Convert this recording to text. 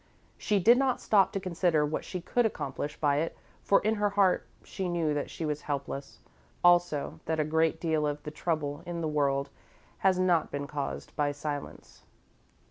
She did not stop to consider what she could accomplish by it, for in her heart, she knew that she was helpless also that a great deal of the trouble in the world has not been caused by silence.